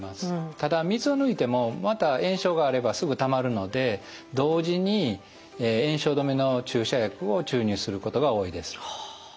ただ水を抜いてもまた炎症があればすぐたまるので同時に炎症止めの注射薬を注入することが多いです。